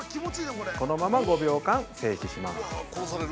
このまま５秒間、静止します。